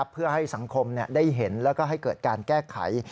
เพื่อให้สังคมได้เห็นแล้วก็ให้เกิดการแก้ไข